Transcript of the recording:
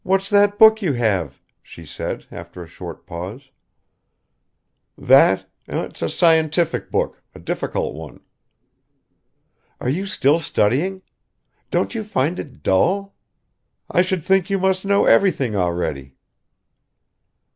"What's that book you have?" she said, after a short pause. "That? It's a scientific book, a difficult one." "Are you still studying? Don't you find it dull? I should think you must know everything already."